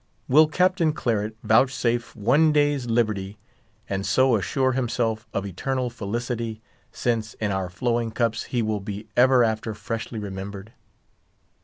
Will Captain Claret vouchsafe one day's liberty, and so assure himself of eternal felicity, since, in our flowing cups, he will be ever after freshly remembered?"